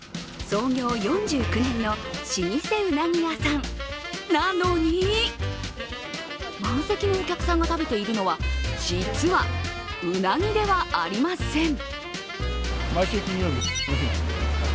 創業４９年の老舗うなぎ屋さんな・の・に満席のお客さんが食べているのは実はうなぎではありません。